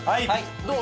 どう？